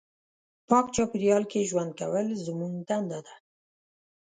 پاک چاپېریال کې ژوند کول زموږ دنده ده.